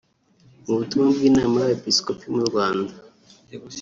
Mu butumwa bw’inama y’Abepisikopi mu Rwanda